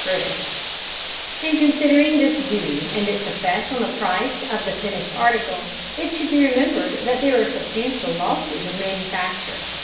British In considering this duty and its effect on the price of the finished article, it should be remembered that there are substantial losses in manufacture.